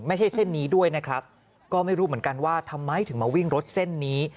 ไม่ใช่เส้นนี้ด้วยนะครับก็ไม่รู้เหมือนกันว่าทำไมถึงมาวิ่งรถเส้นนี้